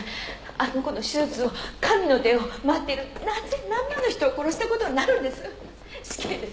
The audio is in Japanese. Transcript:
あの子の手術を神の手を待っている何千何万の人を殺した事になるんです。